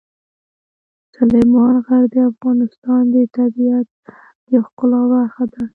سلیمان غر د افغانستان د طبیعت د ښکلا برخه ده.